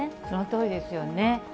そのとおりですよね。